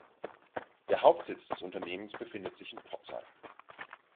Der Hauptsitz des Unternehmens befindet sich in Pforzheim.